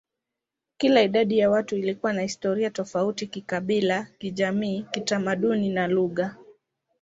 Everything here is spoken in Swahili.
Kila idadi ya watu ilikuwa na historia tofauti kikabila, kijamii, kitamaduni, na lugha.